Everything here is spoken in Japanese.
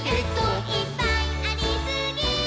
「いっぱいありすぎー！！」